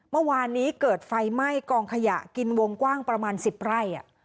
เมื่อวานนี้เกิดไฟไหม้กองขยะกินวงกว้างประมาณ๑๐ไร่